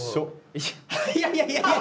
いやいやいやいや！